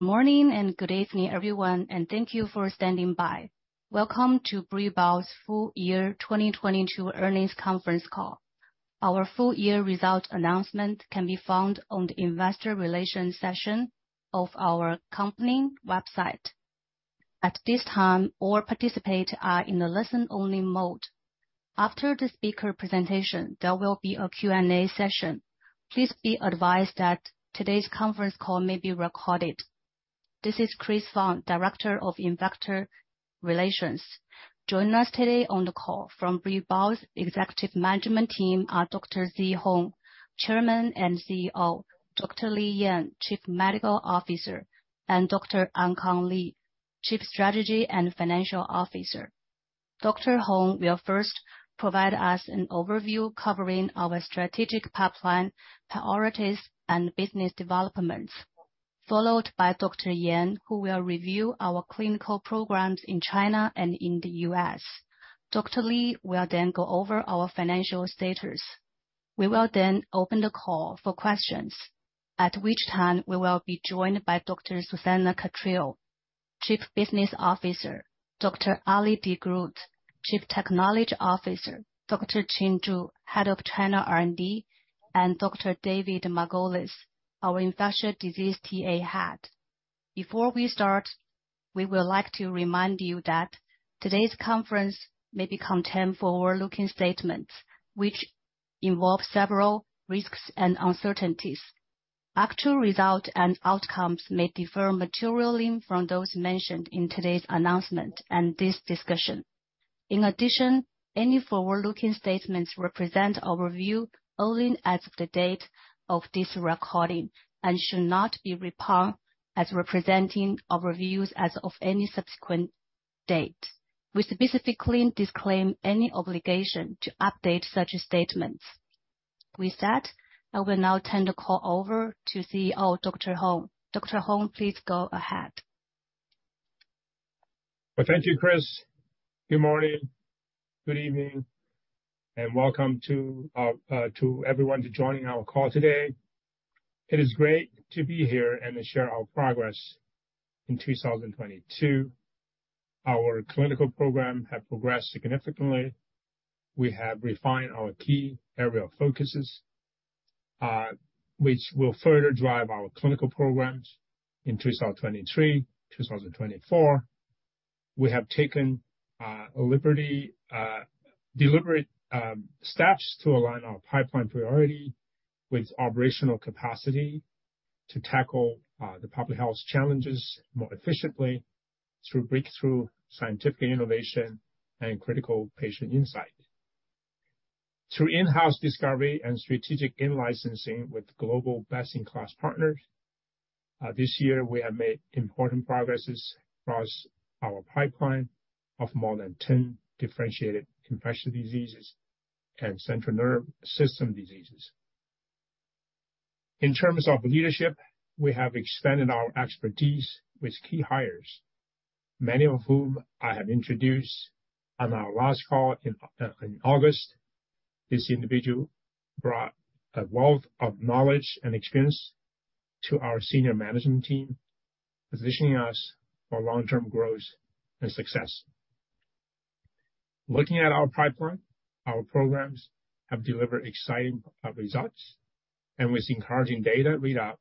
Morning and good evening, everyone, and thank you for standing by. Welcome to Brii Bio's full year 2022 earnings conference call. Our full year results announcement can be found on the investor relations section of our company website. At this time, all participate are in a listen-only mode. After the speaker presentation, there will be a Q&A session. Please be advised that today's conference call may be recorded. This is Chris Fang, Director of Investor Relations. Joining us today on the call from Brii Bio's executive management team are Dr. Zhi Hong, Chairman and CEO, Dr. Li Yan, Chief Medical Officer, and Dr. Ankang Li, Chief Strategy and Financial Officer. Dr. Hong will first provide us an overview covering our strategic pipeline priorities and business developments, followed by Dr. Yan, who will review our clinical programs in China and in the U.S. Dr. Li will go over our financial status. We will then open the call for questions, at which time we will be joined by Dr. Susannah Cantrell, Chief Business Officer, Dr. Eleanor de Groot, Chief Technology Officer, Dr. Qing Zhu, Head of China R&D, and Dr. David Margolis, our Infectious Disease TA Head. Before we start, we would like to remind you that today's conference may be contained forward-looking statements which involve several risks and uncertainties. Actual results and outcomes may differ materially from those mentioned in today's announcement and this discussion. In addition, any forward-looking statements represent our view only as of the date of this recording and should not be relied as representing our views as of any subsequent date. We specifically disclaim any obligation to update such statements. With that, I will now turn the call over to CEO, Dr. Hong. Dr. Hong, please go ahead. Well, thank you, Chris. Good morning, good evening, and welcome to everyone joining our call today. It is great to be here and to share our progress in 2022. Our clinical program have progressed significantly. We have refined our key area of focuses, which will further drive our clinical programs in 2023, 2024. We have taken deliberate steps to align our pipeline priority with operational capacity to tackle the public health challenges more efficiently through breakthrough scientific innovation and critical patient insight. Through in-house discovery and strategic in-licensing with global best-in-class partners, this year we have made important progresses across our pipeline of more than 10 differentiated infectious diseases and Central Nervous System diseases. In terms of leadership, we have expanded our expertise with key hires, many of whom I have introduced on our last call in August. This individual brought a wealth of knowledge and experience to our senior management team, positioning us for long-term growth and success. Looking at our pipeline, our programs have delivered exciting results, and with encouraging data read out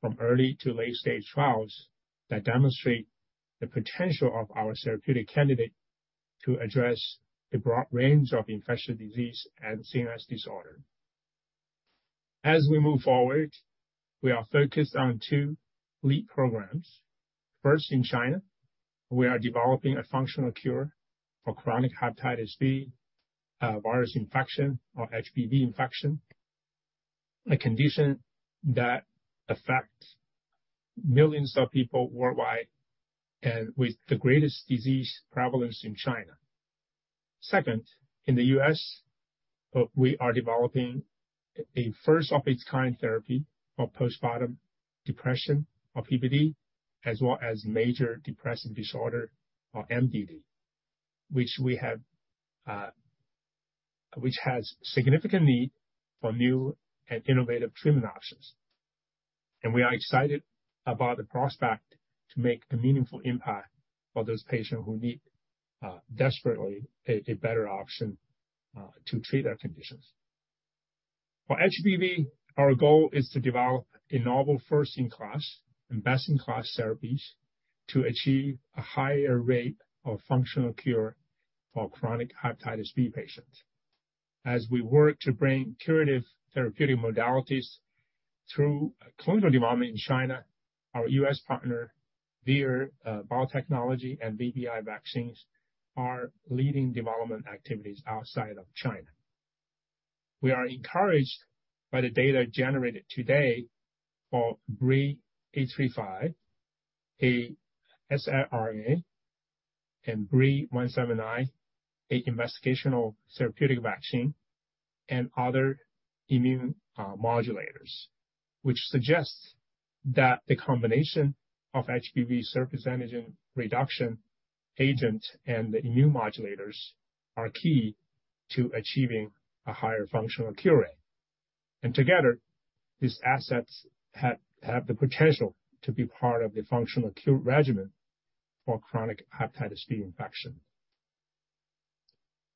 from early to late stage trials that demonstrate the potential of our therapeutic candidate to address the broad range of infectious disease and CNS disorder. As we move forward, we are focused on two lead programs. First, in China, we are developing a functional cure for chronic hepatitis B virus infection or HBV infection, a condition that affect millions of people worldwide, and with the greatest disease prevalence in China. Second, in the U.S., we are developing a first-of-its-kind therapy for postpartum depression or PPD, as well as major depressive disorder or MDD, which has significant need for new and innovative treatment options. We are excited about the prospect to make a meaningful impact for those patients who need desperately a better option to treat their conditions. For HBV, our goal is to develop a novel first-in-class and best-in-class therapies to achieve a higher rate of functional cure for chronic hepatitis B patients. As we work to bring curative therapeutic modalities through clinical development in China, our U.S. partner, Vir Biotechnology and VBI Vaccines, are leading development activities outside of China. We are encouraged by the data generated today for BRII-835, a siRNA, and BRII-179, a investigational therapeutic vaccine, and other immune modulators, which suggests that the combination of HBV surface antigen reduction agent and the immune modulators are key to achieving a higher functional cure rate. Together, these assets have the potential to be part of the functional cure regimen for chronic hepatitis B infection.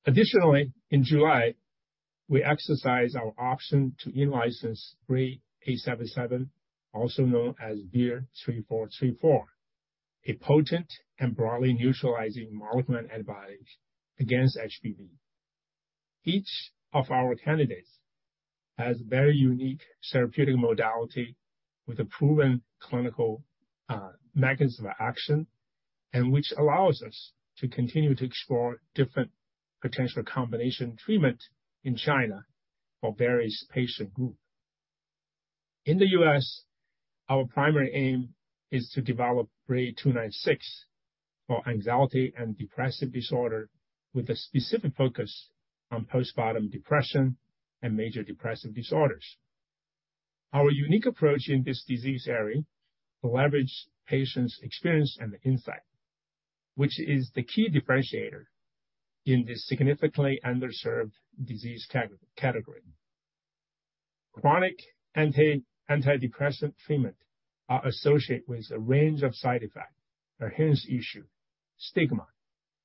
Additionally, in July, we exercised our option to in-license BRII-877, also known as VIR-3434, a potent and broadly neutralizing monoclonal antibody against HBV. Each of our candidates has very unique therapeutic modality with a proven clinical mechanism of action, which allows us to continue to explore different potential combination treatment in China for various patient group. In the U.S., our primary aim is to develop BRII-296 for anxiety and depressive disorder, with a specific focus on postpartum depression and major depressive disorders. Our unique approach in this disease area leverage patients' experience and insight, which is the key differentiator in this significantly underserved disease category. Chronic antidepressant treatment are associated with a range of side effects, adherence issue, stigma,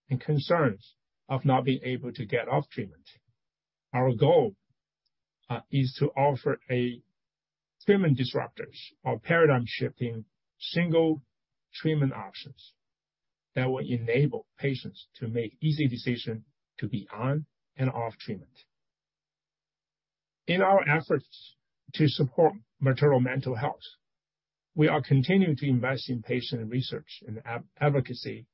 and concerns of not being able to get off treatment. Our goal is to offer a treatment disruptors or paradigm-shifting single treatment options that will enable patients to make easy decision to be on and off treatment. In our efforts to support maternal mental health, we are continuing to invest in patient research and advocacy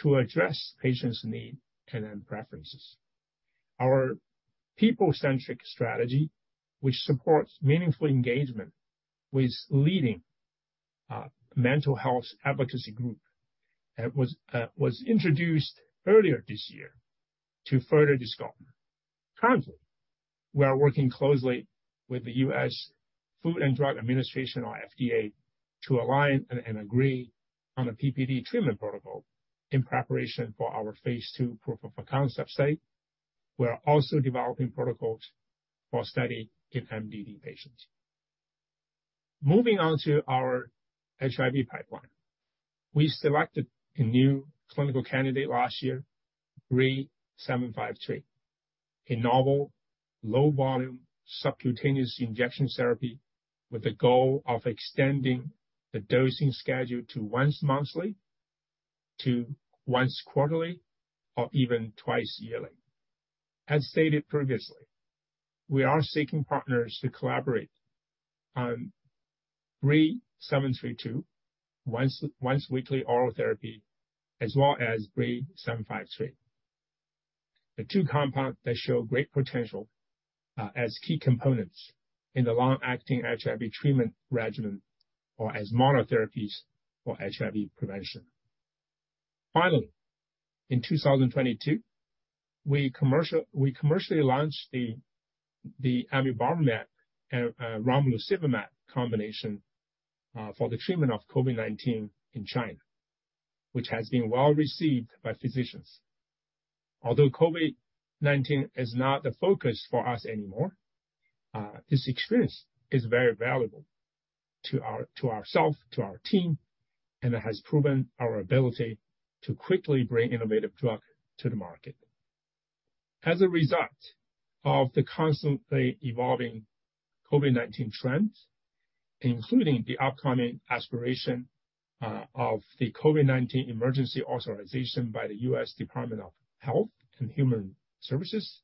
to address patients' need and then preferences. Our people-centric strategy, which supports meaningful engagement with leading mental health advocacy group, was introduced earlier this year to further this goal. Currently, we are working closely with the US Food and Drug Administration, or FDA, to align and agree on a PPD treatment protocol in preparation for our phase II proof of concept site. We are also developing protocols for study in MDD patients. Moving on to our HIV pipeline. We selected a new clinical candidate last year, BRII-753, a novel low-volume subcutaneous injection therapy with the goal of extending the dosing schedule to once monthly, to once quarterly, or even twice yearly. As stated previously, we are seeking partners to collaborate on BRII-732 once weekly oral therapy, as well as BRII-753. The two compounds that show great potential, as key components in the long-acting HIV treatment regimen, or as monotherapies for HIV prevention. In 2022, we commercially launched the amubarvimab and romlusevimab combination for the treatment of COVID-19 in China, which has been well-received by physicians. Although COVID-19 is not the focus for us anymore, this experience is very valuable to ourselves, to our team, and it has proven our ability to quickly bring innovative drug to the market. As a result of the constantly evolving COVID-19 trends, including the upcoming aspiration of the COVID-19 emergency authorization by the US Department of Health and Human Services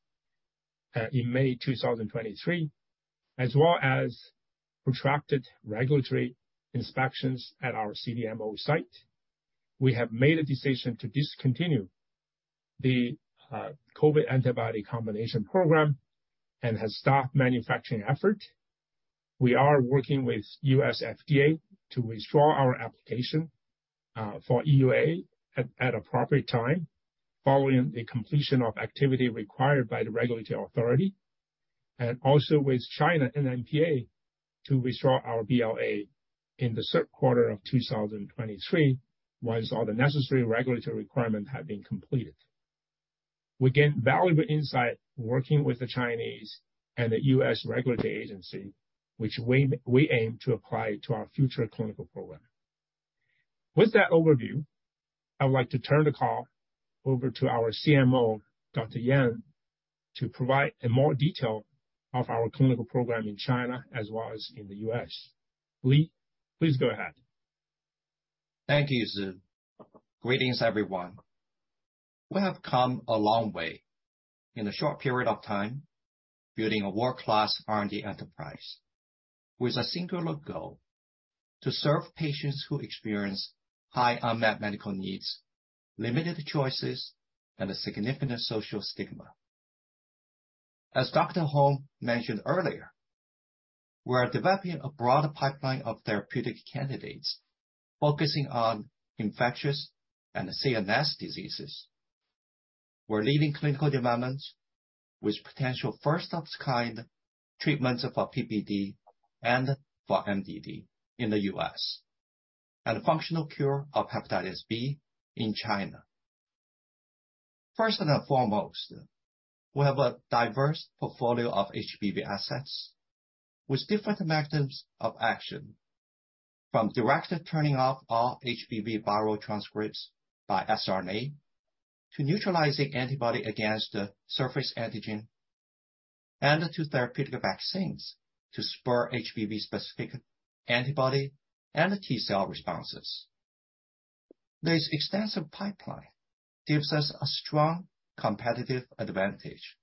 in May 2023, as well as protracted regulatory inspections at our CDMO site, we have made a decision to discontinue the COVID antibody combination program and has stopped manufacturing effort. We are working with US FDA to withdraw our application for EUA at appropriate time following the completion of activity required by the regulatory authority, and also with China NMPA to withdraw our BLA in the third quarter of 2023, once all the necessary regulatory requirements have been completed. We gain valuable insight working with the Chinese and the US regulatory agency, which we aim to apply to our future clinical program. With that overview, I would like to turn the call over to our CMO, Dr. Yan, to provide a more detail of our clinical program in China as well as in the U.S. Li, please go ahead. Thank you, Zhi. Greetings, everyone. We have come a long way in a short period of time building a world-class R&D enterprise with a singular goal: to serve patients who experience high unmet medical needs, limited choices, and a significant social stigma. As Dr. Hong mentioned earlier, we are developing a broader pipeline of therapeutic candidates focusing on infectious and CNS diseases. We're leading clinical developments with potential first-of-its-kind treatments for PPD and for MDD in the U.S., and functional cure of hepatitis B in China. First and foremost, we have a diverse portfolio of HBV assets with different mechanisms of action, from direct turning off all HBV viral transcripts by siRNA to neutralizing antibody against the surface antigen and to therapeutic vaccines to spur HBV specific antibody and T-cell responses. This extensive pipeline gives us a strong competitive advantage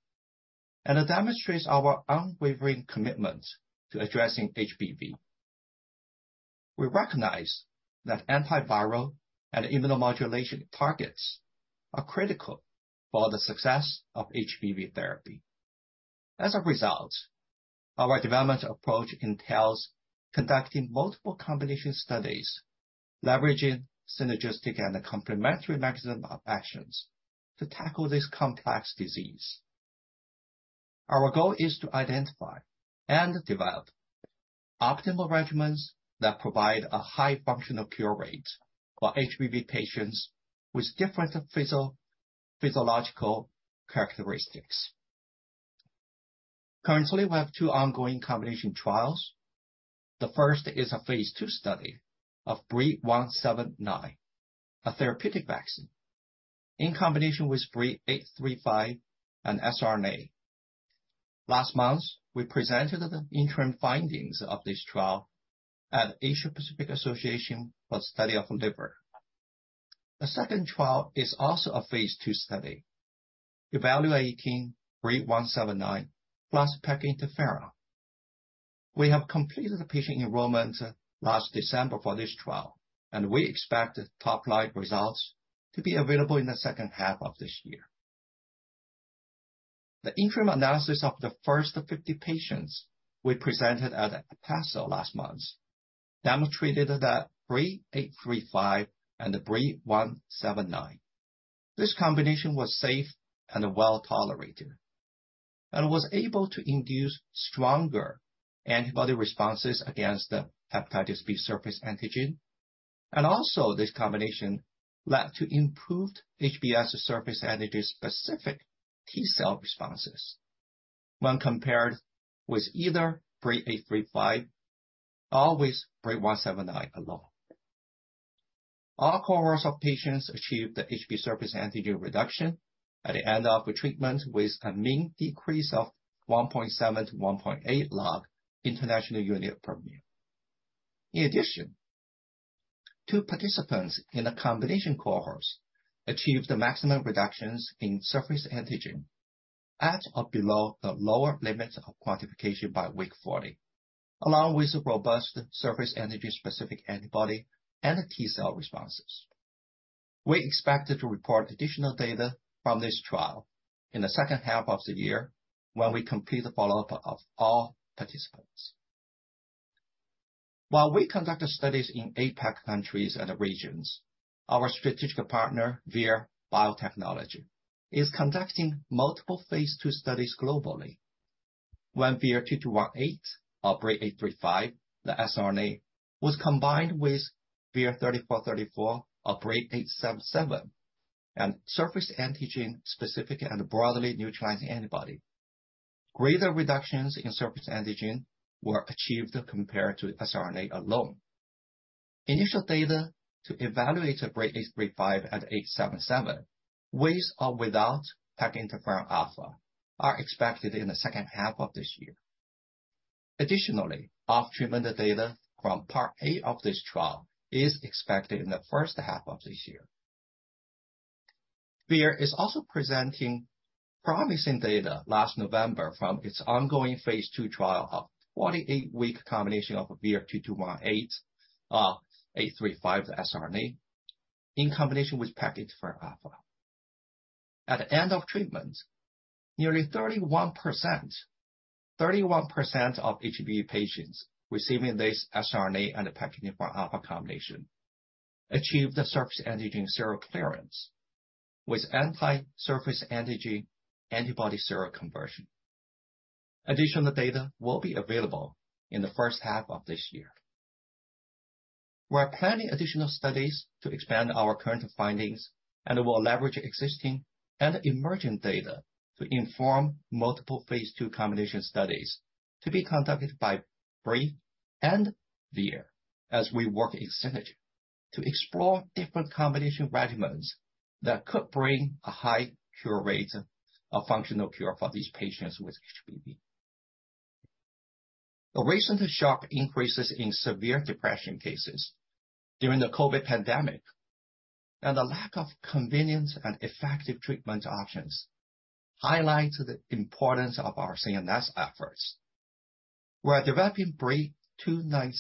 and it demonstrates our unwavering commitment to addressing HBV. We recognize that antiviral and immunomodulation targets are critical for the success of HBV therapy. As a result, our development approach entails conducting multiple combination studies, leveraging synergistic and complementary mechanism of actions to tackle this complex disease. Our goal is to identify and develop optimal regimens that provide a high functional cure rate for HBV patients with different physio-physiological characteristics. Currently, we have two ongoing combination trials. The first is a phase II study of BRII-179, a therapeutic vaccine in combination with BRII-835 and siRNA. Last month, we presented the interim findings of this trial at Asian Pacific Association for the Study of the Liver. The second trial is also a phase II study evaluating BRII-179 plus peg interferon. We have completed the patient enrollment last December for this trial, and we expect top-line results to be available in the second half of this year. The interim analysis of the first 50 patients we presented at APASL last month demonstrated that BRII-835 and the BRII-179. This combination was safe and well-tolerated and was able to induce stronger antibody responses against the hepatitis B surface antigen. This combination led to improved HBsAg specific T-cell responses when compared with either BRII-835 or with BRII-179 alone. All cohorts of patients achieved the HBsAg reduction at the end of treatment with a mean decrease of 1.7-1.8 log international unit per mL. In addition, two participants in a combination cohorts achieved the maximum reductions in surface antigen at or below the lower limits of quantification by week 40, along with robust surface antigen specific antibody and T-cell responses. We expect to report additional data from this trial in the second half of the year while we complete the follow-up of all participants. While we conduct studies in APAC countries and regions, our strategic partner, Vir Biotechnology, is conducting multiple phase II studies globally. When VIR-2218 or BRII-835, the siRNA was combined with VIR-3434 or BRII-877 and surface antigen specific and broadly neutralizing antibody. Greater reductions in surface antigen were achieved compared to siRNA alone. Initial data to evaluate BRII-835 and BRII-877 with or without pegylated interferon alpha are expected in the second half of this year. Additionally, off-treatment data from part A of this trial is expected in the first half of this year. Vir is also presenting promising data last November from its ongoing phase II trial of 48-week combination of VIR-2218, 835, the siRNA, in combination with pegylated interferon alpha. At the end of treatment, nearly 31% of HBV patients receiving this siRNA and the pegylated interferon alpha combination achieved the surface antigen seroclearance with anti-surface antigen antibody seroconversion. Additional data will be available in the first half of this year. We are planning additional studies to expand our current findings and will leverage existing and emerging data to inform multiple phase II combination studies to be conducted by Brii Bio and Vir as we work in synergy to explore different combination regimens that could bring a high cure rate of functional cure for these patients with HBV. A recent sharp increases in severe depression cases during the COVID pandemic and the lack of convenience and effective treatment options highlight the importance of our CNS efforts. We are developing BRII-296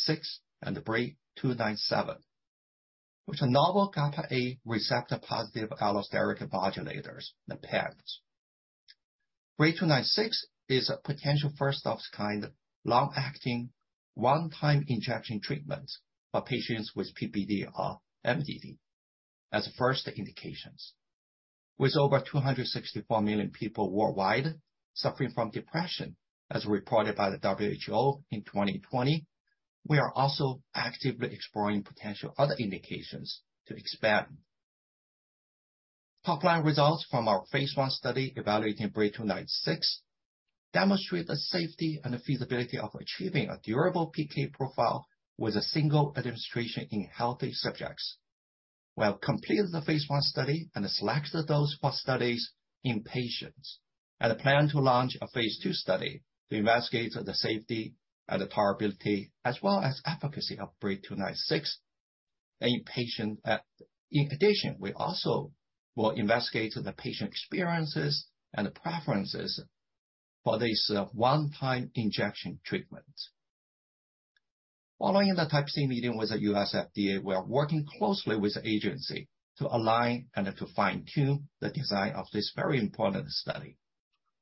and BRII-297, which are novel GABA-A receptor positive allosteric modulators, the PAMs. BRII-296 is a potential first of its kind long-acting one-time injection treatment for patients with PPD or MDD as first indications. With over 264 million people worldwide suffering from depression as reported by the WHO in 2020. We are also actively exploring potential other indications to expand. Pipeline results from our phase I study evaluating BRII-296 demonstrate the safety and feasibility of achieving a durable PK profile with a single administration in healthy subjects. We have completed the phase I study and selected those for studies in patients, and plan to launch a phase II study to investigate the safety and the tolerability, as well as efficacy of BRII-296 in patient. In addition, we also will investigate the patient experiences and preferences for this one-time injection treatment. Following the Type C meeting with the US FDA, we are working closely with the agency to align and to fine-tune the design of this very important study.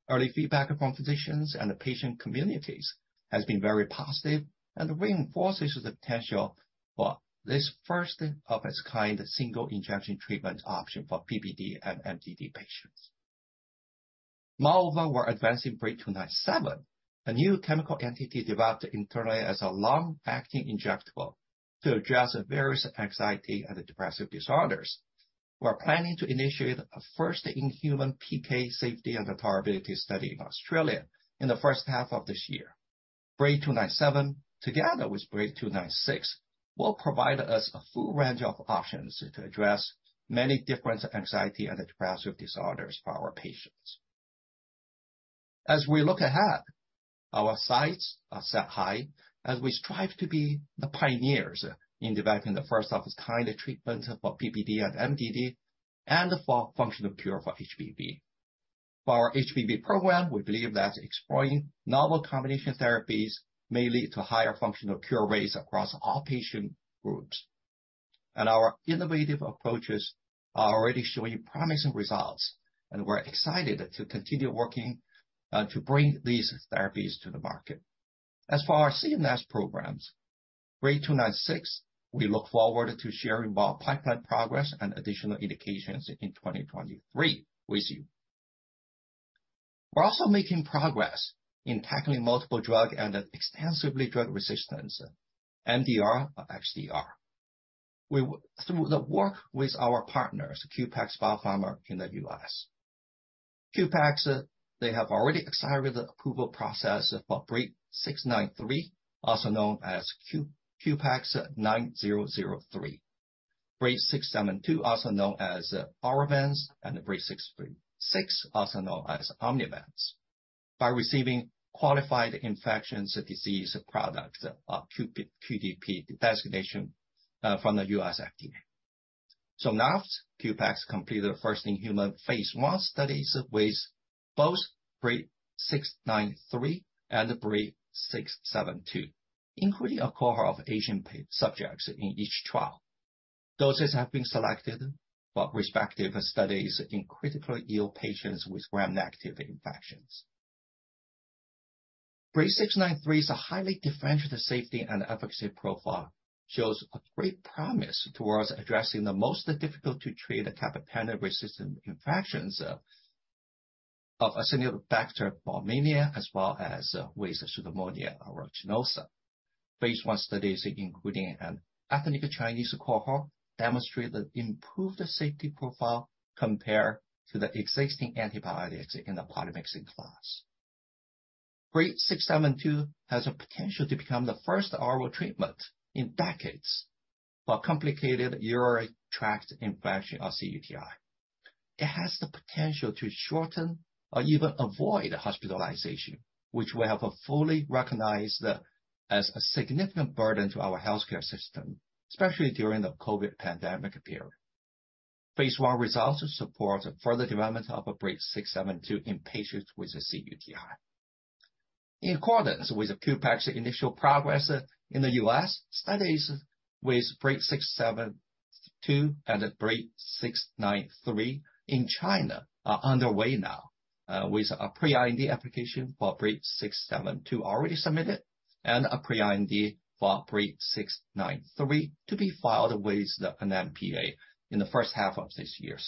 Early feedback from physicians and the patient communities has been very positive and reinforces the potential for this first-of-its-kind single injection treatment option for PPD and MDD patients. Moreover, we're advancing BRII-297, a new chemical entity developed internally as a long-acting injectable to address various anxiety and depressive disorders. We're planning to initiate a first-in-human PK safety and tolerability study in Australia in the first half of this year. BRII-297, together with BRII-296, will provide us a full range of options to address many different anxiety and depressive disorders for our patients. As we look ahead, our sights are set high as we strive to be the pioneers in developing the first-of-its-kind treatment for PPD and MDD and for functional cure for HBV. For our HBV program, we believe that exploring novel combination therapies may lead to higher functional cure rates across all patient groups. Our innovative approaches are already showing promising results, and we're excited to continue working to bring these therapies to the market. For our CNS programs, BRII-296, we look forward to sharing more pipeline progress and additional indications in 2023 with you. We're also making progress in tackling multiple drug and extensively drug-resistant MDR or XDR. Through the work with our partners, Qpex Biopharma in the U.S. Qpex, they have already accelerated the approval process for BRII-693, also known as QPX9003. BRII-672, also known as ORAvance, and BRII-636, also known as OMNIvance, are receiving Qualified Infectious Disease Product QIDP designation from the US FDA. Now Qpex completed first in human phase I studies with both BRII-693 and BRII-672, including a cohort of Asian subjects in each trial. Doses have been selected for respective studies in critically ill patients with gram-negative infections. BRII-693's highly differentiated safety and efficacy profile shows a great promise towards addressing the most difficult to treat carbapenem-resistant infections of Acinetobacter baumannii, as well as with Pseudomonas aeruginosa. phase I studies, including an ethnic Chinese cohort, demonstrate the improved safety profile compared to the existing antibiotics in the polymyxin class. BRII-672 has the potential to become the first oral treatment in decades for complicated urinary tract infection, or cUTI. It has the potential to shorten or even avoid hospitalization, which we have fully recognized as a significant burden to our healthcare system, especially during the COVID pandemic period. phase I results support further development of BRII-672 in patients with a cUTI. In accordance with Qpex initial progress in the U.S., studies with BRII-672 and BRII-693 in China are underway now, with a pre-IND application for BRII-672 already submitted and a pre-IND for BRII-693 to be filed with an NMPA in the first half of this year.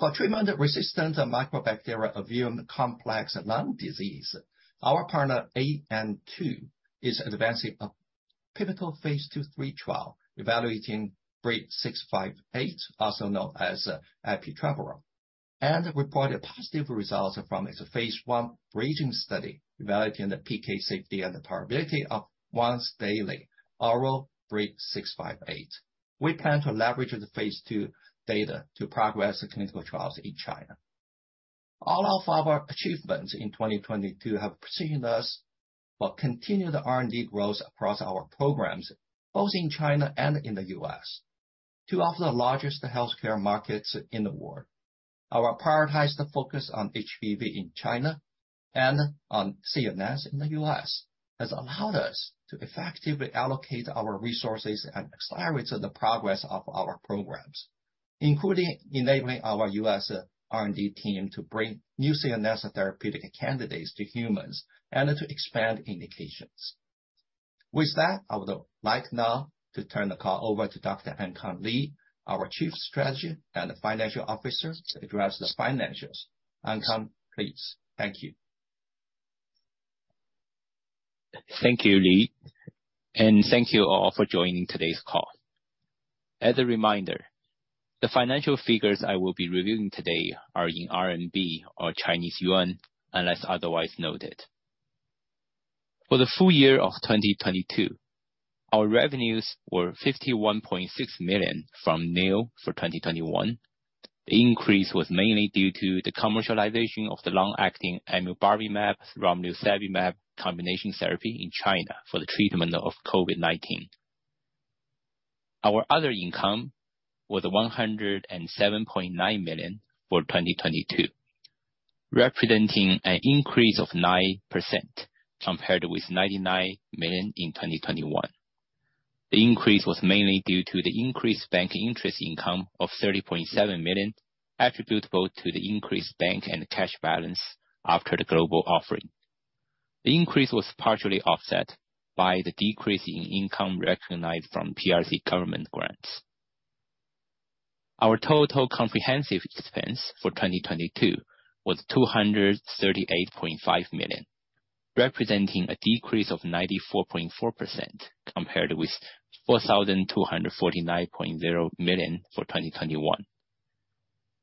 For treatment-resistant Mycobacterium avium complex lung disease, our partner, AN2, is advancing a pivotal phase II/III trial evaluating BRII-658, also known as epetraborole, and reported positive results from its phase I bridging study evaluating the PK safety and tolerability of once-daily oral BRII-658. We plan to leverage the phase II data to progress clinical trials in China. All of our achievements in 2022 have positioned us for continued R&D growth across our programs, both in China and in the U.S., two of the largest healthcare markets in the world. Our prioritized focus on HBV in China and on CNS in the US has allowed us to effectively allocate our resources and accelerate the progress of our programs, including enabling our U.S. R&D team to bring new CNS therapeutic candidates to humans and to expand indications. With that, I would like now to turn the call over to Dr. Ankang Li, our Chief Strategy and Financial Officer, to address the financials. Ankang, please. Thank you. Thank you, Li, and thank you all for joining today's call. As a reminder, the financial figures I will be reviewing today are in RMB or Chinese yuan, unless otherwise noted. For the full year of 2022, our revenues were 51.6 million from nil for 2021. The increase was mainly due to the commercialization of the long-acting amubarvimab, romlusevimab combination therapy in China for the treatment of COVID-19. Our other income was 107.9 million for 2022, representing an increase of 9% compared with 99 million in 2021. The increase was mainly due to the increased bank interest income of 30.7 million, attributable to the increased bank and cash balance after the global offering. The increase was partially offset by the decrease in income recognized from PRC government grants. Our total comprehensive expense for 2022 was 238.5 million, representing a decrease of 94.4% compared with 4,249.0 million for 2021.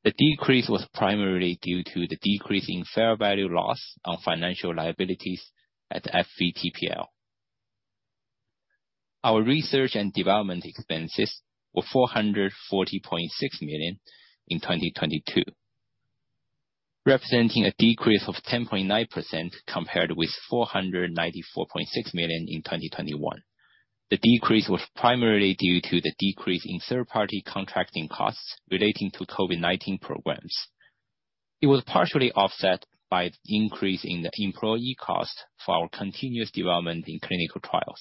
The decrease was primarily due to the decrease in fair value loss on financial liabilities at FVTPL. Our research and development expenses were 440.6 million in 2022, representing a decrease of 10.9% compared with 494.6 million in 2021. The decrease was primarily due to the decrease in third-party contracting costs relating to COVID-19 programs. It was partially offset by the increase in the employee cost for our continuous development in clinical trials.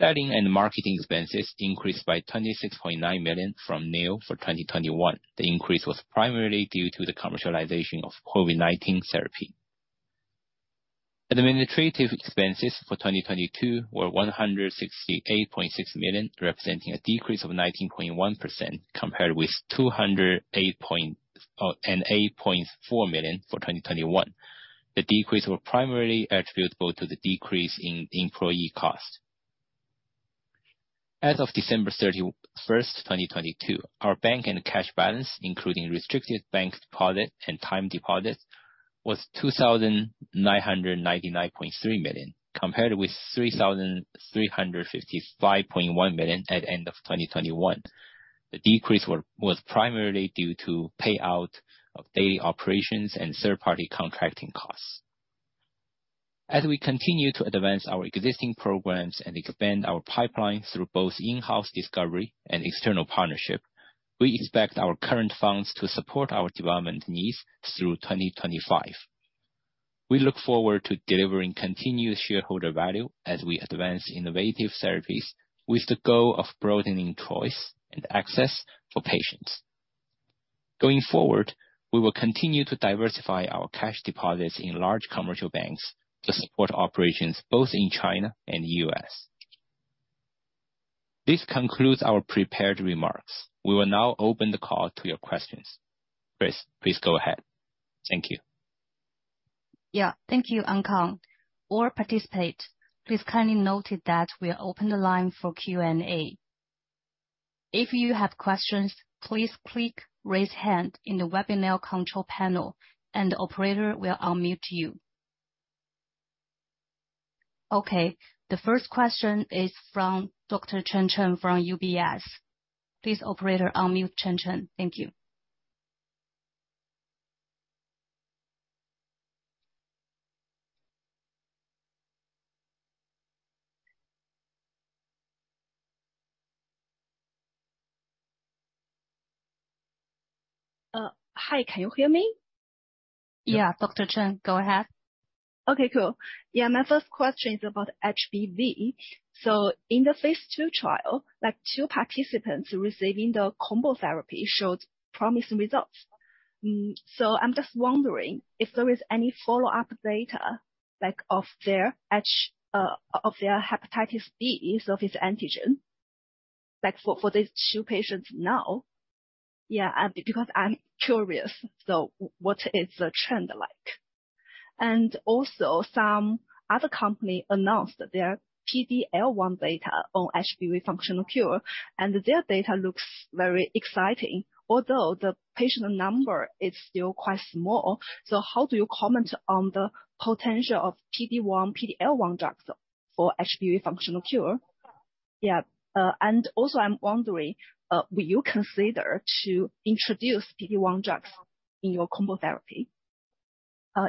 Selling and marketing expenses increased by 26.9 million from nil for 2021. The increase was primarily due to the commercialization of COVID-19 therapy. Administrative expenses for 2022 were 168.6 million, representing a decrease of 19.1% compared with 208.4 million for 2021. The decrease were primarily attributable to the decrease in employee costs. As of December 31st, 2022, our bank and cash balance, including restricted bank deposit and time deposit, was 2,999.3 million, compared with 3,355.1 million at end of 2021. The decrease was primarily due to payout of daily operations and third-party contracting costs. As we continue to advance our existing programs and expand our pipeline through both in-house discovery and external partnership, we expect our current funds to support our development needs through 2025. We look forward to delivering continued shareholder value as we advance innovative therapies with the goal of broadening choice and access for patients. Going forward, we will continue to diversify our cash deposits in large commercial banks to support operations both in China and U.S. This concludes our prepared remarks. We will now open the call to your questions. Chris, please go ahead. Thank you. Yeah. Thank you, Ankang. All participate, please kindly noted that we are open the line for Q&A. If you have questions, please click Raise Hand in the web and mail control panel, and operator will unmute you. Okay. The first question is from Dr. Chen Chen from UBS. Please, operator, unmute Chen Chen. Thank you. Hi. Can you hear me? Yeah. Dr. Chen, go ahead. Okay, cool. Yeah, my first question is about HBV. In the phase I trial, like, two participants receiving the combo therapy showed promising results. I'm just wondering if there is any follow-up data like, of their hepatitis B, so if it's antigen, like for these two patients now. Yeah, because I'm curious. What is the trend like? Also some other company announced their PD-L1 data on HBV functional cure, and their data looks very exciting, although the patient number is still quite small. How do you comment on the potential of PD-1, PD-L1 drugs for HBV functional cure? Yeah. Also I'm wondering, will you consider to introduce PD-1 drugs in your combo therapy?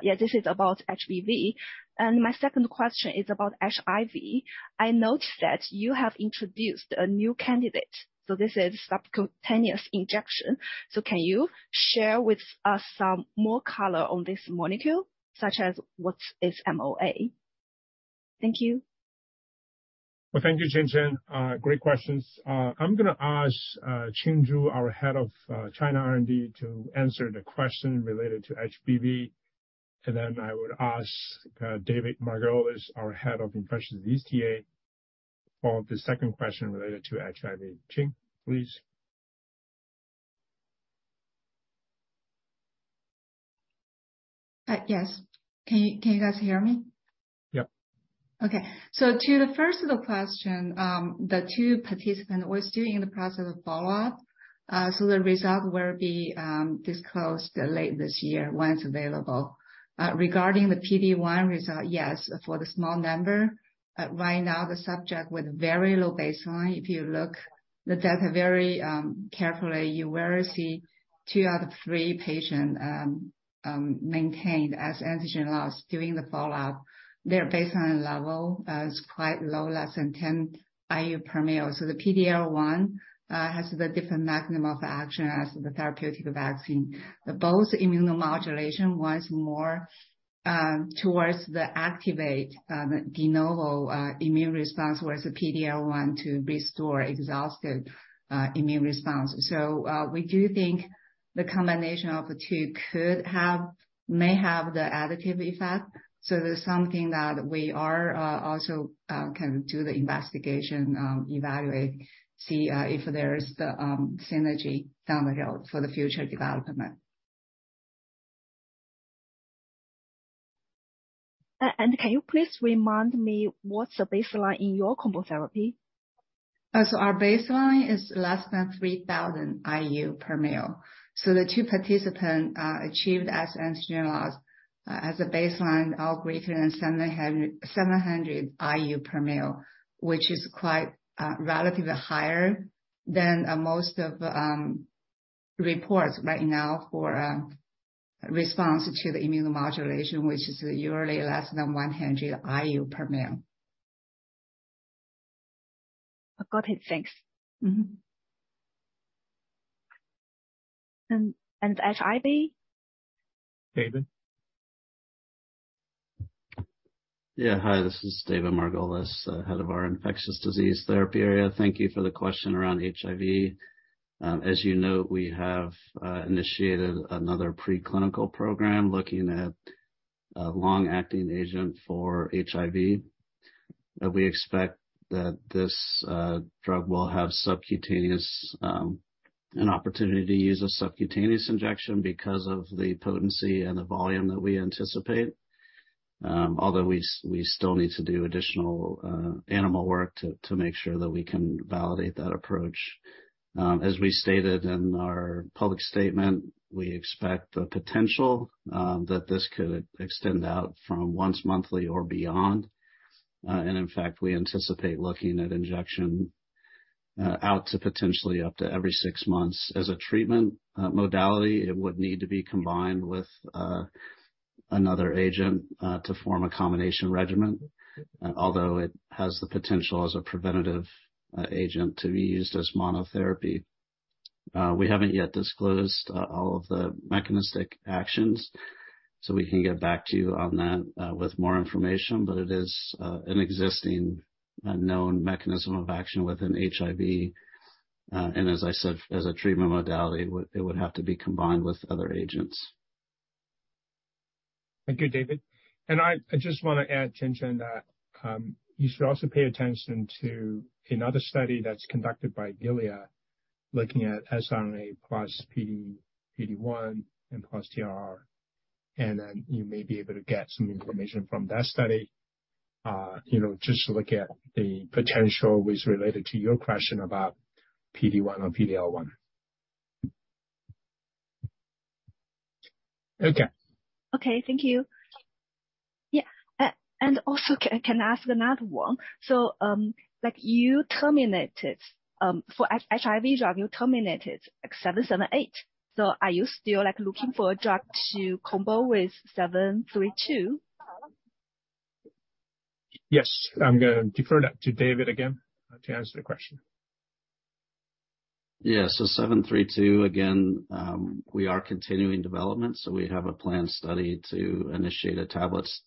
Yeah, this is about HBV. My second question is about HIV, I noticed that you have introduced a new candidate. This is subcutaneous injection. Can you share with us some more color on this molecule, such as what's its MOA? Thank you. Well, thank you, Chen Chen. Great questions. I'm gonna ask Qing Zhu, our head of China R&D, to answer the question related to HBV. I would ask David Margolis, our head of Infectious Diseases TA, for the second question related to HIV. Qing, please. Yes. Can you guys hear me? Yep. Okay. To the first of the question, the two participant was doing in the process of follow-up. The result will be disclosed late this year when it's available. Regarding the PD-1 result, yes, for the small number, right now the subject with very low baseline, if you look the data very carefully, you will see two out of three patient maintained as antigen loss during the follow-up. Their baseline level is quite low, less than 10 IU per ml. The PD-L1 has the different mechanism of action as the therapeutic vaccine. Both immunomodulation was more towards the activate de novo immune response, whereas the PD-L1 to restore exhausted immune response. We do think the combination of the two could have, may have the additive effect. That's something that we are also can do the investigation, evaluate, see if there is the synergy down the road for the future development. Can you please remind me what's the baseline in your combo therapy? Our baseline is less than 3,000 IU per ml. The two participant, achieved as antigen loss, as a baseline, all greater than 700 IU per ml, which is quite, relatively higher than, most of the, reports right now for, response to the immunomodulation, which is usually less than 100 IU per ml. I've got it. Thanks. Mm-hmm. HIV? David? Hi, this is David Margolis, Head of our Infectious Diseases Therapy Area. Thank you for the question around HIV. As you know, we have initiated another preclinical program looking at a long-acting agent for HIV. We expect that this drug will have subcutaneous, an opportunity to use a subcutaneous injection because of the potency and the volume that we anticipate. Although we still need to do additional animal work to make sure that we can validate that approach. As we stated in our public statement, we expect the potential that this could extend out from once monthly or beyond. In fact, we anticipate looking at injection out to potentially up to every 6 months. As a treatment modality, it would need to be combined with another agent to form a combination regimen, although it has the potential as a preventative agent to be used as monotherapy. We haven't yet disclosed all of the mechanistic actions, so we can get back to you on that with more information, but it is an existing known mechanism of action within HIV. As I said, as a treatment modality, it would have to be combined with other agents. Thank you, David. I just wanna add, Chen Chen, that you should also pay attention to another study that's conducted by Gilead looking at siRNA plus PD-1 and plus TR. You may be able to get some information from that study, you know, just to look at the potential which related to your question about PD-1 or PD-L1. Okay. Okay. Thank you. Yeah. Also, can I ask another one? Like you terminated, for HIV drug, you terminated like BRII-778. Are you still, like, looking for a drug to combo with BRII-732? Yes. I'm gonna defer that to David again to answer the question. Yeah. BRII-732, again, we are continuing development, so we have a planned study to initiate a tablets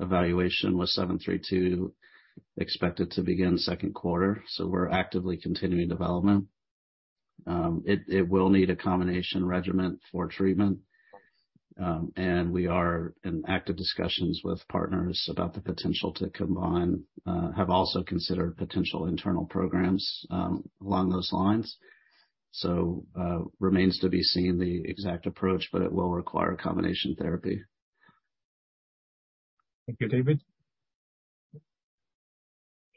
evaluation with BRII-732 expected to begin 2Q. We're actively continuing development. It will need a combination regimen for treatment. We are in active discussions with partners about the potential to combine, have also considered potential internal programs along those lines. Remains to be seen the exact approach, but it will require a combination therapy. Thank you, David.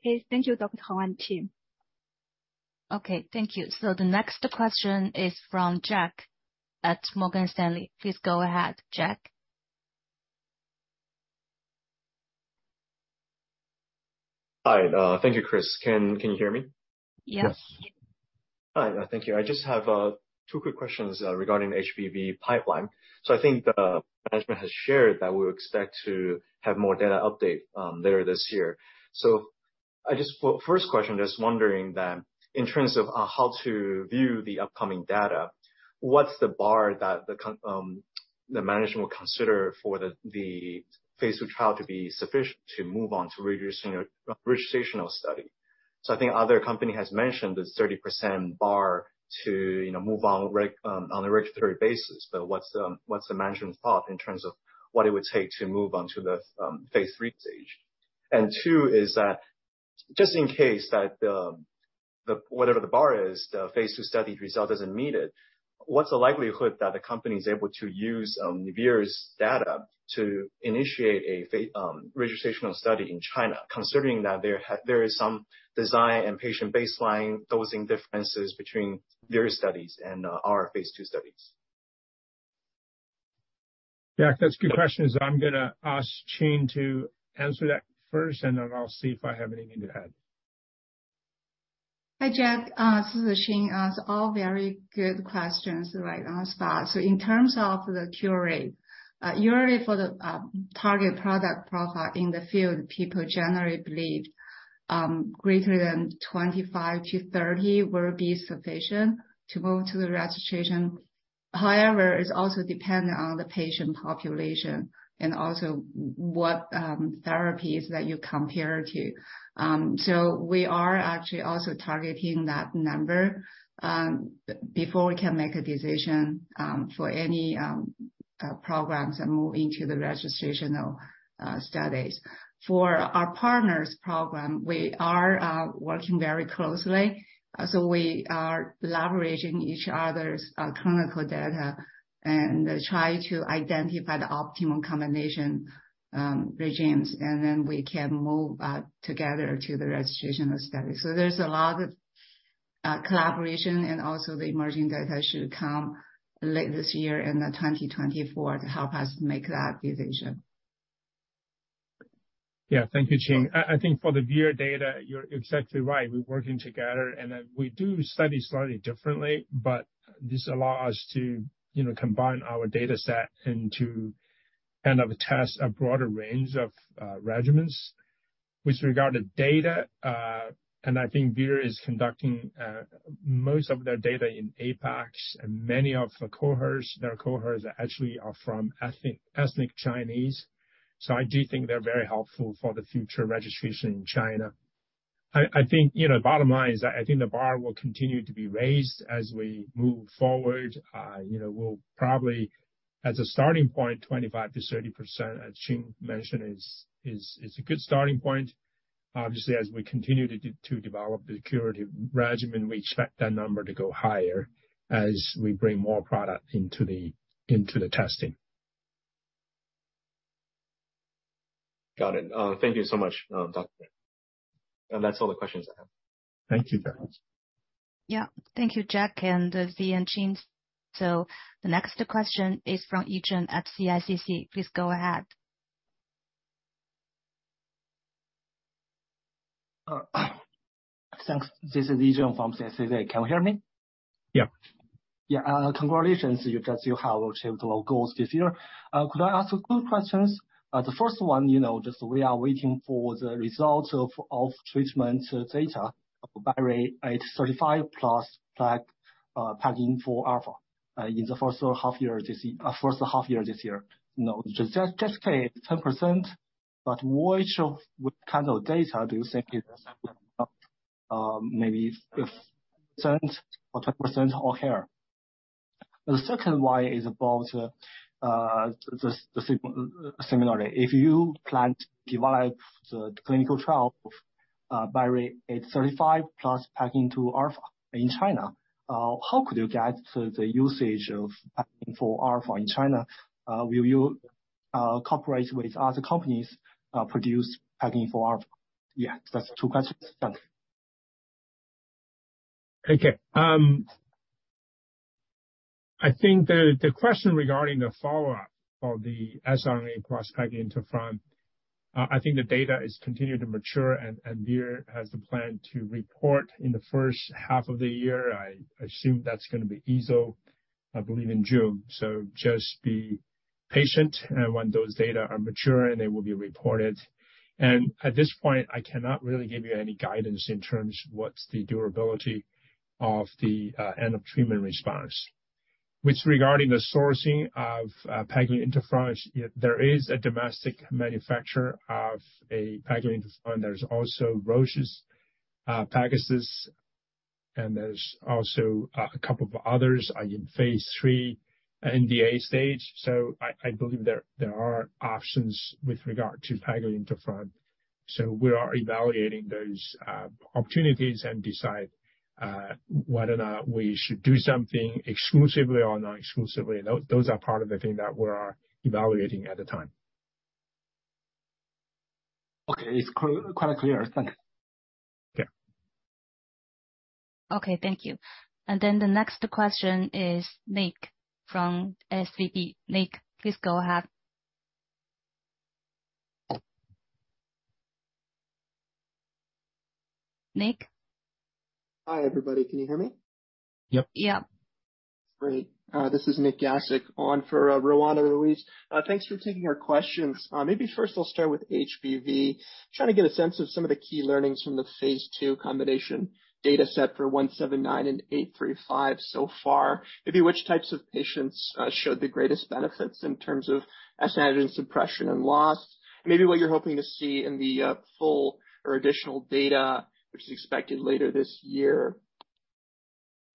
Okay. Thank you, Dr. Hong and team. Okay, thank you. The next question is from Jack at Morgan Stanley. Please go ahead, Jack. Hi. Thank you, Chris. Can you hear me? Yes. Yes. Hi. Thank you. I just have two quick questions regarding HBV pipeline. I think the management has shared that we'll expect to have more data update later this year. I just first question, just wondering then, in terms of how to view the upcoming data, what's the bar that the management will consider for the phase II trial to be sufficient to move on to reducing registrational study? I think other company has mentioned this 30% bar to, you know, move on on a regulatory basis. What's the management's thought in terms of what it would take to move on to the phase III stage? Two is that just in case that the whatever the bar is, the phase II study result doesn't meet it, what's the likelihood that the company is able to use, Vir's data to initiate a registrational study in China, considering that there is some design and patient baseline dosing differences between their studies and our phase II studies? Jack, that's a good question, so I'm gonna ask Qing to answer that first, and then I'll see if I have anything to add. Hi, Jack, this is Qing. It's all very good questions right on the spot. In terms of the cure rate, usually for the target product profile in the field, people generally believe, greater than 25-30 will be sufficient to move to the registration. However, it's also dependent on the patient population and also what therapies that you compare to. We are actually also targeting that number before we can make a decision for any programs that move into the registrational studies. For our partners program, we are working very closely, so we are collaborating each other's clinical data and try to identify the optimal combination regimes, and then we can move together to the registrational study. There's a lot of collaboration and also the emerging data should come late this year and then 2024 to help us make that decision. Yeah. Thank you, Qin. I think for the Vir data, you're exactly right. We're working together, and then we do study slightly differently, but this allow us to, you know, combine our dataset and to kind of test a broader range of regimens. With regard to data, and I think Vir is conducting most of their data in APAC, and many of the cohorts, their cohorts actually are from ethnic Chinese. I do think they're very helpful for the future registration in China. I think, you know, bottom line is, I think the bar will continue to be raised as we move forward. You know, we'll probably, as a starting point, 25%-30%, as Qin mentioned, is a good starting point. Obviously, as we continue to develop the curative regimen, we expect that number to go higher as we bring more product into the testing. Got it. Thank you so much, Doctor. That's all the questions I have. Thank you, Jack. Yeah. Thank you, Jack and Zhi and Qin. The next question is from Yichen at CICC. Please go ahead. Thanks. This is Yichen from CICC. Can you hear me? Yeah. Yeah. Congratulations you guys, you have achieved all goals this year. Could I ask two questions? The first one, you know, we are waiting for the results of treatment data of BRII-835 plus pegylated interferon alpha in the first half year this year. You know, just pay 10%, but what kind of data do you think is.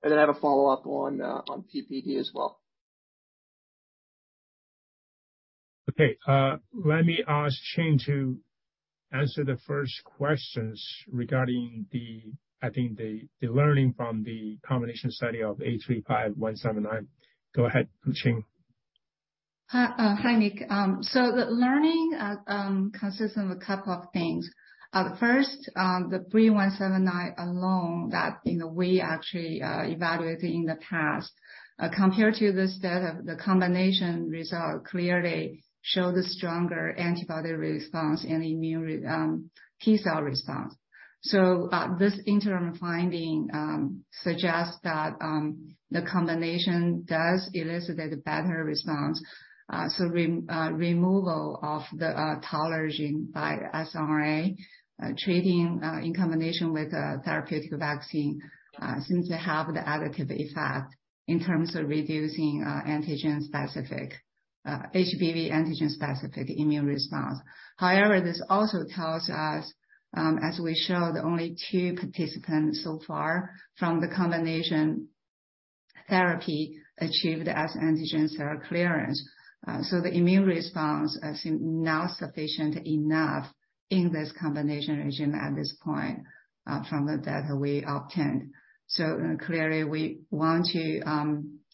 I have a follow-up on PPD as well. Okay. Let me ask Qing Zhu to answer the first questions regarding the, I think, the learning from the combination study of BRII-179. Go ahead, Qing Zhu. Hi, hi, Nick. The learning consists of a couple of things. The first, the 3179 alone that, you know, we actually evaluated in the past, compared to this data, the combination results clearly show the stronger antibody response and immune T-cell response. This interim finding suggests that the combination does elicit a better response. Removal of the tolerogen by siRNA, treating in combination with a therapeutic vaccine, seems to have the additive effect in terms of reducing antigen-specific, HBV antigen-specific immune response. However, this also tells us, as we showed only two participants so far from the combination therapy achieved S antigen seroclearance. The immune response is not sufficient enough in this combination regimen at this point, from the data we obtained. Clearly, we want to,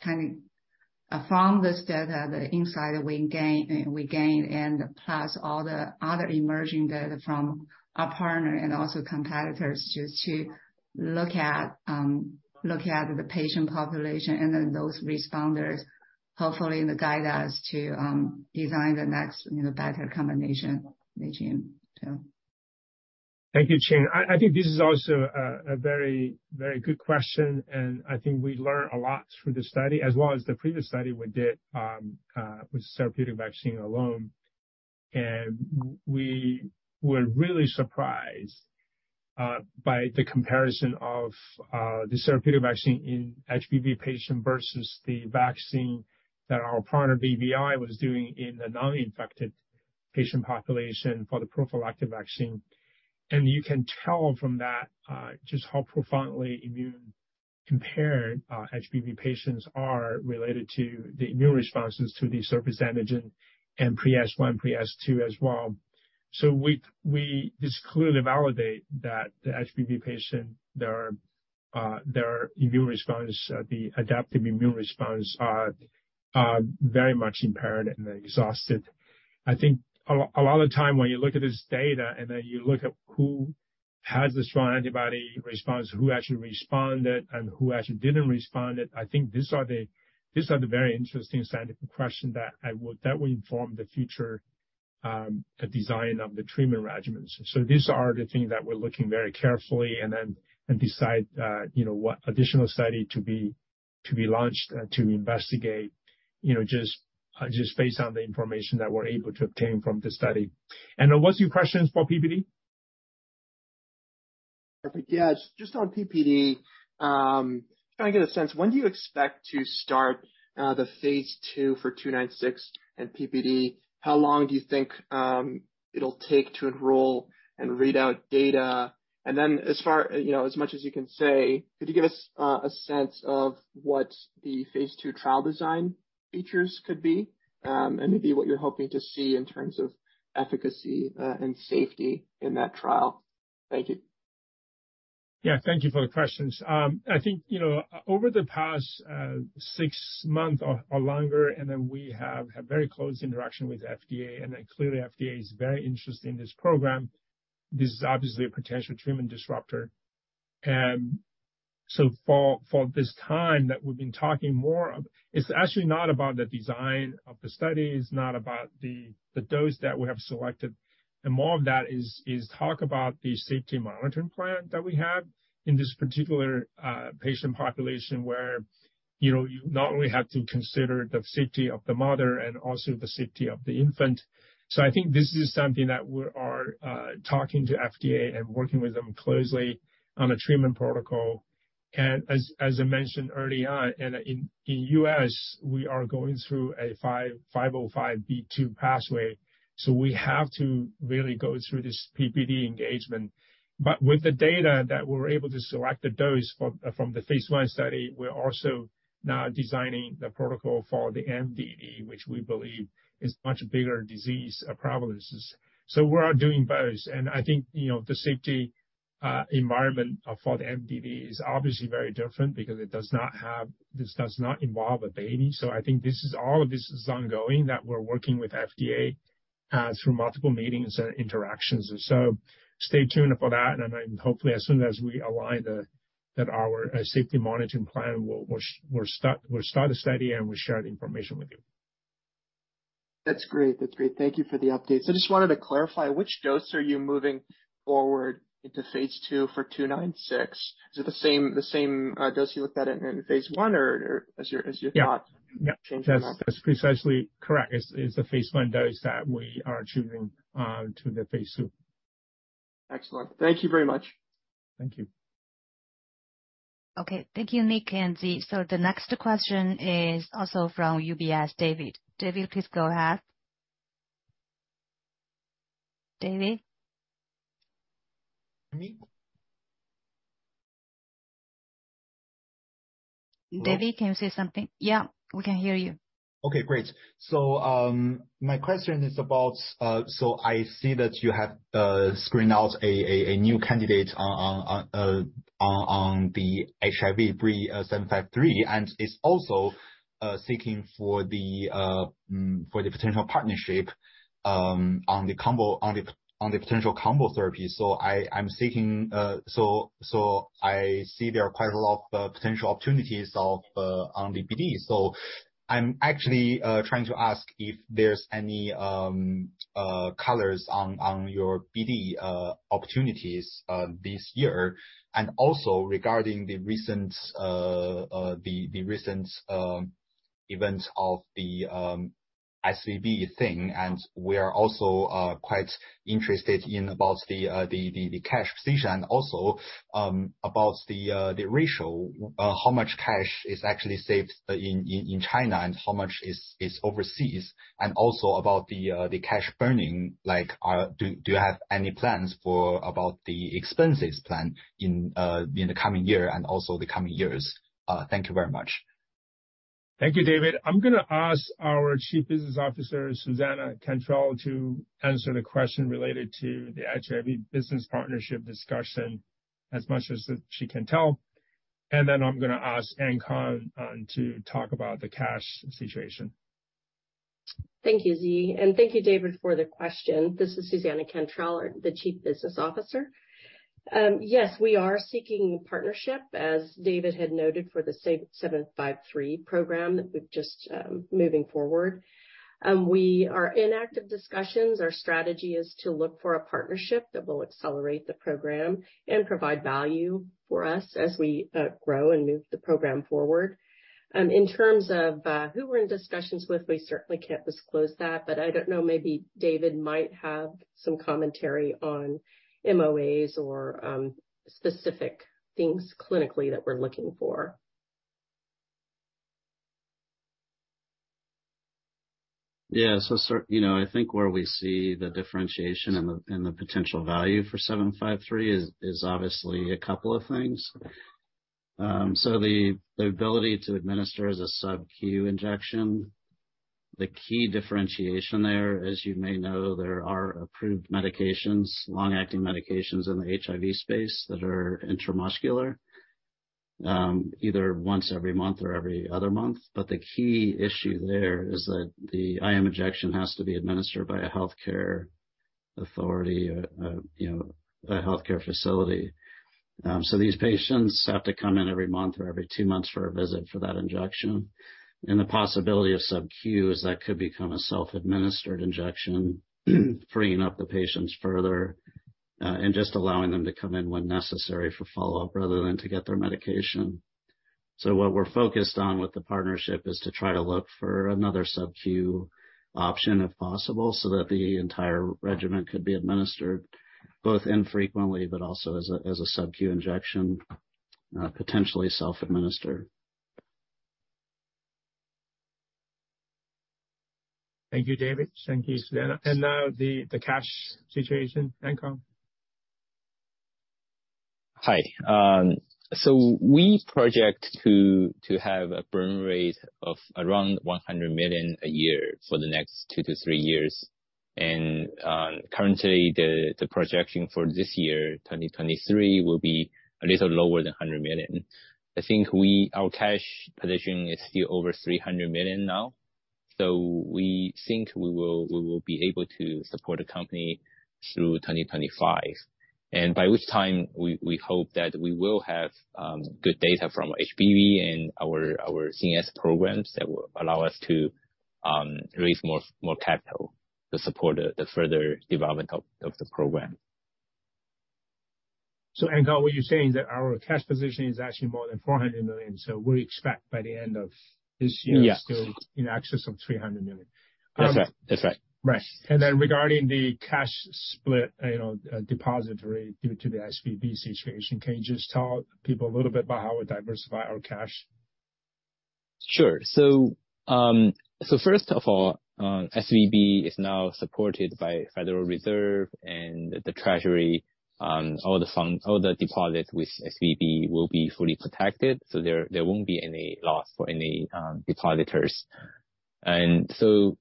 kind of from this data, the insight we gain, and plus all the other emerging data from our partner and also competitors, just to look at the patient population and then those responders, hopefully guide us to, design the next, you know, better combination regime. Thank you, Qing. I think this is also a very, very good question. I think we learned a lot through this study as well as the previous study we did with therapeutic vaccine alone. We were really surprised by the comparison of the therapeutic vaccine in HBV patient versus the vaccine that our partner, VBI, was doing in the non-infected patient population for the prophylactic vaccine. You can tell from that just how profoundly immune compared HBV patients are related to the immune responses to the surface antigen and pre-S1, pre-S2 as well. This clearly validate that the HBV patient, their immune response, the adaptive immune response are very much impaired and exhausted. I think a lot of the time, when you look at this data, and then you look at who has the strong antibody response, who actually responded and who actually didn't respond, I think these are the very interesting scientific question that will inform the future design of the treatment regimens. These are the things that we're looking very carefully and then, and decide, you know, what additional study to be launched to investigate, you know, just based on the information that we're able to obtain from the study. What's your questions for PPD? Perfect. Yeah, just on PPD, trying to get a sense, when do you expect to start, the phase II for 296 and PPD? How long do you think, it'll take to enroll and read out data? As far, you know, as much as you can say, could you give us, a sense of what the phase II trial design features could be, and maybe what you're hoping to see in terms of efficacy, and safety in that trial? Thank you. Yeah. Thank you for the questions. I think, you know, over the past six months or longer, we have had very close interaction with FDA. Clearly FDA is very interested in this program. This is obviously a potential treatment disruptor. For this time that we've been talking more, it's actually not about the design of the study. It's not about the dose that we have selected. More of that is talk about the safety monitoring plan that we have in this particular patient population where, you know, you not only have to consider the safety of the mother and also the safety of the infant. I think this is something that we are talking to FDA and working with them closely on a treatment protocol. As I mentioned early on, in the U.S., we are going through a 505(b)(2) pathway, so we have to really go through this PPD engagement. With the data that we're able to select the dose from the phase I study, we're also now designing the protocol for the MDD, which we believe is much bigger disease prevalences. We are doing both. I think, you know, the safety environment for the MDD is obviously very different because this does not involve a baby. I think this is, all of this is ongoing, that we're working with FDA through multiple meetings and interactions. Stay tuned for that. Hopefully, as soon as we align the our safety monitoring plan, we'll start a study, and we'll share the information with you. That's great. That's great. Thank you for the updates. I just wanted to clarify, which dose are you moving forward into phase I for 296? Is it the same dose you looked at in phase I, or has your thought... Yeah. changed at all? That's precisely correct. It's the phase I dose that we are choosing to the phase II. Excellent. Thank you very much. Thank you. Okay. Thank you, Nick and Zhi. The next question is also from UBS, David. David, please go ahead. David? Me? David, can you say something? Yeah, we can hear you. Okay, great. My question is about so I see that you have screened out a new candidate on the HIV BRII-753, and is also seeking for the potential partnership on the potential combo therapy. I see there are quite a lot of potential opportunities on the BD. I'm actually trying to ask if there's any colors on your BD opportunities this year. Also regarding the recent events of the SVB thing. We are also quite interested in about the cash position, also about the ratio, how much cash is actually saved in China and how much is overseas, and also about the cash burning. Like, do you have any plans for about the expenses plan in the coming year and also the coming years? Thank you very much. Thank you, David. I'm gonna ask our Chief Business Officer, Susannah Cantrell, to answer the question related to the HIV business partnership discussion as much as she can tell, and then I'm gonna ask Ankang to talk about the cash situation. Thank you, Zhi. Thank you, David, for the question. This is Susannah Cantrell, the Chief Business Officer. Yes, we are seeking partnership, as David had noted, for the BRII-753 program that we're just moving forward. We are in active discussions. Our strategy is to look for a partnership that will accelerate the program and provide value for us as we grow and move the program forward. In terms of who we're in discussions with, we certainly can't disclose that. I don't know, maybe David might have some commentary on MOAs or specific things clinically that we're looking for. You know, I think where we see the differentiation and the, and the potential value for BRII-753 is obviously a couple of things. The, the ability to administer as a sub-Q injection, the key differentiation there, as you may know, there are approved medications, long-acting medications in the HIV space that are intramuscular, either once every month or every other month. The key issue there is that the IM injection has to be administered by a healthcare authority or, you know, a healthcare facility. These patients have to come in every month or every two months for a visit for that injection. The possibility of sub-Q is that could become a self-administered injection, freeing up the patients further, and just allowing them to come in when necessary for follow-up rather than to get their medication. What we're focused on with the partnership is to try to look for another sub-Q option if possible, so that the entire regimen could be administered both infrequently but also as a, as a sub-Q injection, potentially self-administered. Thank you, David. Thank you, Susannah. Now the cash situation, Ankang. Hi. We project to have a burn rate of around $100 million a year for the next two-three years. Currently, the projection for this year, 2023, will be a little lower than $100 million. I think our cash position is still over $300 million now, so we think we will be able to support the company through 2025, and by which time we hope that we will have good data from HBV and our CS programs that will allow us to raise more capital to support the further development of the program. Ankang, what you're saying is that our cash position is actually more than $400 million, so we expect by the end of this year. Yeah. still in excess of $300 million. That's right. That's right. Right. Then regarding the cash split, you know, deposit rate due to the SVB situation, can you just tell people a little bit about how we diversify our cash? Sure. First of all, SVB is now supported by Federal Reserve and the Treasury. All the deposits with SVB will be fully protected, so there won't be any loss for any depositors. In the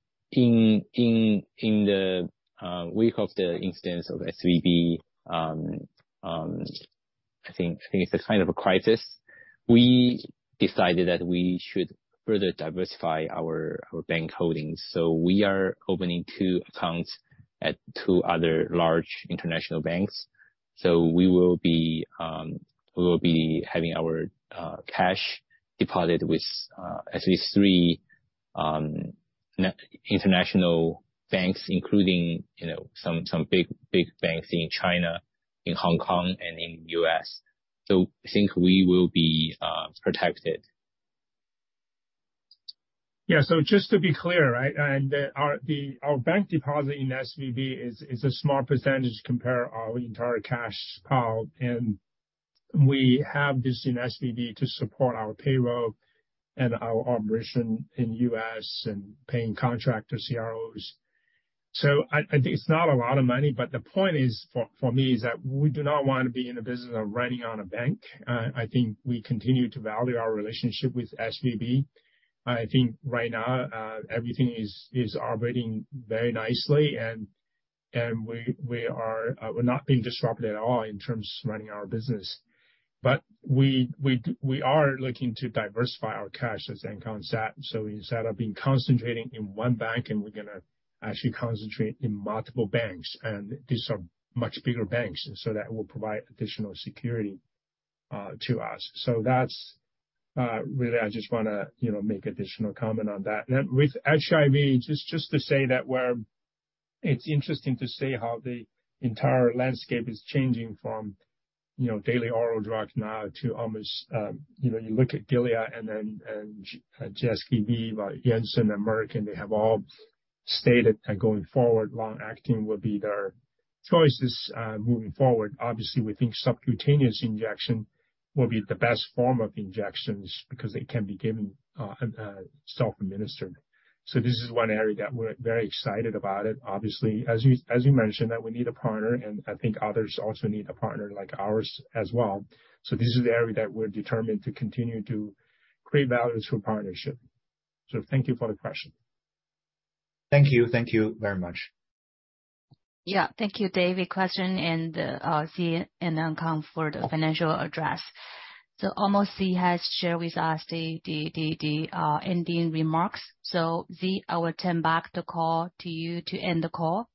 wake of the instance of SVB, I think it's a kind of a crisis. We decided that we should further diversify our bank holdings. We are opening two accounts at two other large international banks. We will be having our cash deposit with at least three international banks, including, you know, some big banks in China, in Hong Kong, and in U.S. I think we will be protected. Yeah. Just to be clear, right, our bank deposit in SVB is a small percentage compared our entire cash pile. We have this in SVB to support our payroll and our operation in US and paying contractor CROs. I think it's not a lot of money, but the point is for me is that we do not wanna be in the business of running on a bank. I think we continue to value our relationship with SVB. I think right now, everything is operating very nicely and we are, we're not being disrupted at all in terms of running our business. We are looking to diversify our cash as Ankang said. Instead of being concentrating in one bank and we're gonna actually concentrate in multiple banks, and these are much bigger banks, so that will provide additional security to us. That's really I just wanna, you know, make additional comment on that. With HIV, just to say that It's interesting to see how the entire landscape is changing from, you know, daily oral drugs now to almost, you know, you look at Gilead and then, and GSK by Janssen and Merck, and they have all stated that going forward, long-acting will be their choices moving forward. We think subcutaneous injection will be the best form of injections because they can be given self-administered. This is one area that we're very excited about it, obviously. As you mentioned that we need a partner. I think others also need a partner like ours as well. This is the area that we're determined to continue to create value through partnership. Thank you for the question. Thank you. Thank you very much. Yeah. Thank you, David question and Zhi and Ankang for the financial address. Almost Zhi has shared with us the ending remarks. Zhi, I will turn back the call to you to end the call.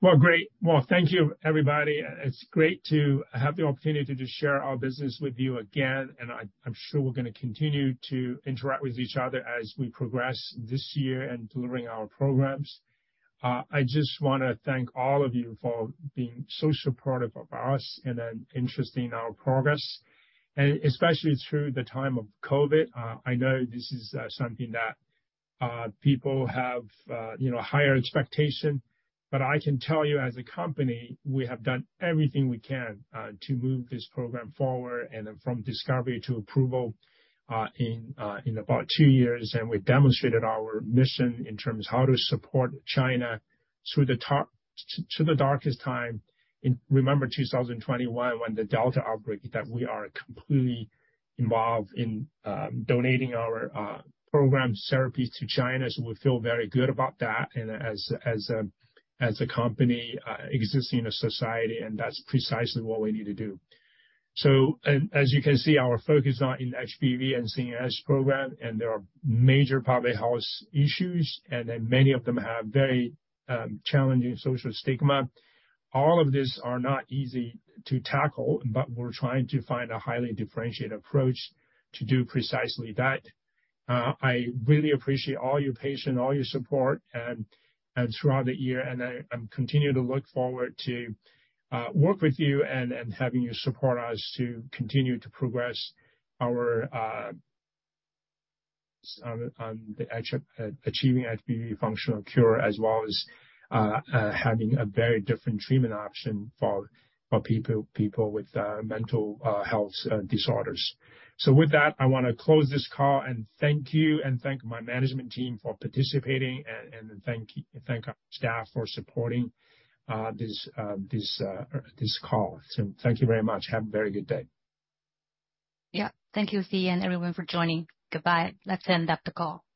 Well, great. Well, thank you, everybody. It's great to have the opportunity to share our business with you again, I'm sure we're gonna continue to interact with each other as we progress this year in delivering our programs. I just wanna thank all of you for being so supportive of us and then interested in our progress, especially through the time of COVID. I know this is something that people have, you know, higher expectation. I can tell you as a company, we have done everything we can to move this program forward and then from discovery to approval in about two years. We've demonstrated our mission in terms of how to support China through the darkest time. Remember 2021 when the Delta outbreak, that we are completely involved in, donating our program therapies to China. We feel very good about that and as a company, existing a society, and that's precisely what we need to do. As you can see, our focus on in HBV and CNS program, there are major public health issues, many of them have very challenging social stigma. All of these are not easy to tackle, we're trying to find a highly differentiated approach to do precisely that. I really appreciate all your patience, all your support and throughout the year. I'm continue to look forward to work with you and having you support us to continue to progress our on the achieving HBV functional cure as well as having a very different treatment option for people with mental health disorders. With that, I wanna close this call and thank you and thank my management team for participating and thank our staff for supporting this call. Thank you very much. Have a very good day. Yeah. Thank you, Zhi and everyone for joining. Goodbye. Let's end up the call.